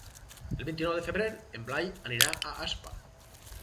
El vint-i-nou de febrer en Blai anirà a Aspa.